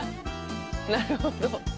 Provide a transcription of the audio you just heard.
なるほど。